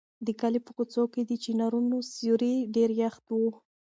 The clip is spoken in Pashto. د کلي په کوڅو کې د چنارونو سیوري ډېر یخ وو.